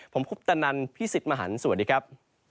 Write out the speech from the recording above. ผมคุปตนันพี่สิทธิ์มหันฯสวัสดีครับ